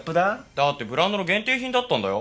だってブランドの限定品だったんだよ？